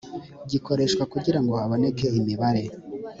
gikoreshwa kugira ngo haboneke imibare